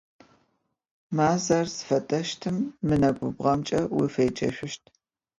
Мэзаер зыфэдэщтым мы нэгубгъомкӏэ уеджэшъущт.